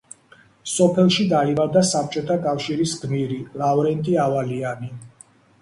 სოფელში დაიბადა საბჭოთა კავშირის გმირი ლავრენტი ავალიანი.